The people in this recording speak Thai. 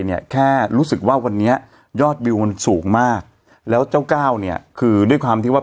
เนี่ยแค่รู้สึกว่าวันนี้ยอดวิวมันสูงมากแล้วเจ้าก้าวเนี่ยคือด้วยความที่ว่า